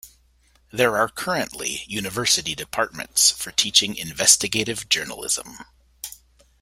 There are currently university departments for teaching investigative journalism.